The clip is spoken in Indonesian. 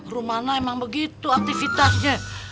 rumana emang begitu aktivitasnya